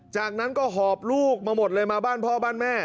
จากนั้นก็หอบลูกมาหมดเลยมาบ้านพ่อบ้านแม่